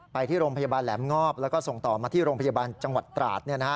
ไปที่โรงพยาบาลแหลมงอบแล้วก็ส่งต่อมาที่โรงพยาบาลจังหวัดตราด